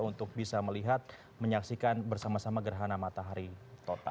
untuk bisa melihat menyaksikan bersama sama gerhana matahari total